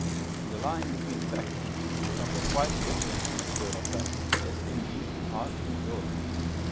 The line between fact and something quite different from external fact is, indeed, hard to draw.